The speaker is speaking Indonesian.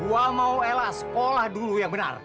wow mau ella sekolah dulu yang benar